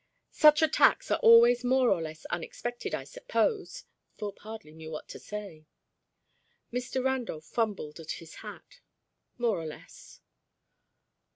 "Such attacks are always more or less unexpected, I suppose." Thorpe hardly knew what to say. Mr. Randolph fumbled at his hat, "More or less."